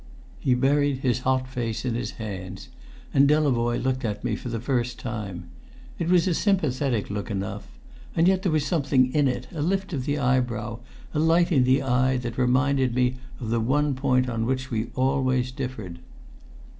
He buried his hot face in his hands, and Delavoye looked at me for the first time. It was a sympathetic look enough; and yet there was something in it, a lift of the eyebrow, a light in the eye, that reminded me of the one point on which we always differed.